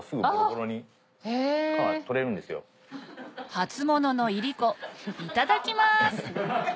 初物のいりこいただきます！